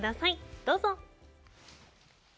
どうぞ。